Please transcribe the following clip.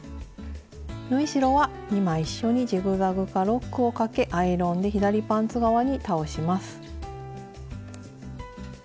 縫い代は２枚一緒にジグザグかロックをかけアイロンで左パンツ側に倒します。